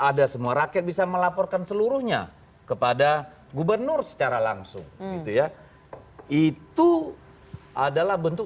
ada semua rakyat bisa melaporkan seluruhnya kepada gubernur secara langsung gitu ya itu adalah bentuk